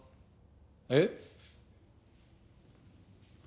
えっ？